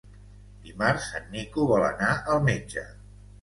Dimarts en Nico vol anar al metge.